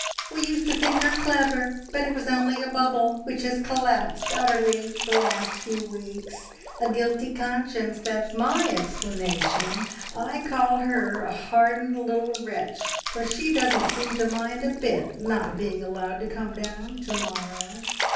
"We used to think her clever, but it was only a bubble, which has collapsed utterly the last few weeks. A guilty conscience that's my explanation! I call her a hardened little wretch, for she doesn't seem to mind a bit not being allowed to come down to morrow.